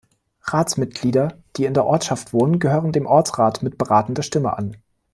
Ratsmitglieder, die in der Ortschaft wohnen, gehören dem Ortsrat mit beratender Stimme an.